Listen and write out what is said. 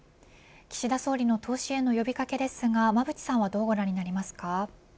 岸田総理の投資への呼び掛けですがどうご覧になりますか。